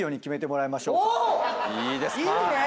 いいですか？